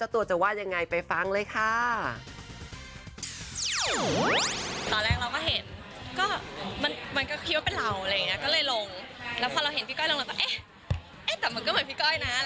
แต่มันก็เหมือนพี่ก้อยนะ